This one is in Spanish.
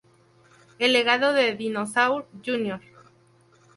El legado de Dinosaur Jr.